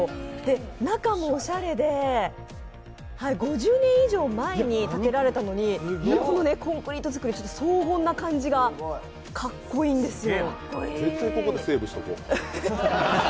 中もおしゃれで５０年以上前に建てられたのにこのコンクリート造り、荘厳な感じがかっこいいんですよ。